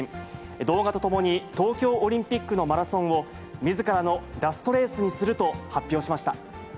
動画とともに、東京オリンピックのマラソンをみずからのラストレースにすると発表しました。